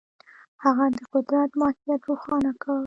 هغه د قدرت ماهیت روښانه کړ.